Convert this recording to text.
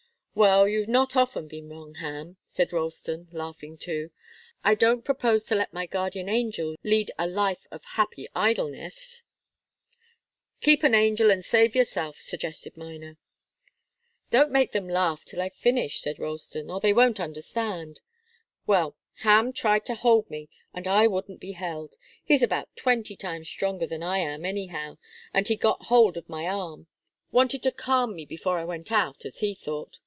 "Well, you've not often been wrong, Ham," said Ralston, laughing too. "I don't propose to let my guardian angel lead a life of happy idleness " "Keep an angel, and save yourself," suggested Miner. "Don't make them laugh till I've finished," said Ralston, "or they won't understand. Well Ham tried to hold me, and I wouldn't be held. He's about twenty times stronger than I am, anyhow, and he'd got hold of my arm wanted to calm me before I went out, as he thought.